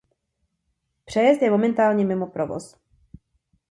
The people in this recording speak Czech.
Přejezd je momentálně mimo provoz.